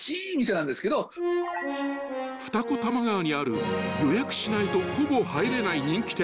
［二子玉川にある予約しないとほぼ入れない人気店］